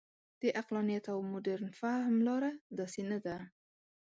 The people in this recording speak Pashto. د عقلانیت او مډرن فهم لاره داسې نه ده.